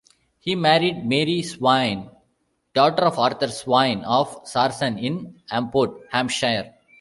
He married Mary Swayne, daughter of Arthur Swayne of Sarson in Amport, Hampshire.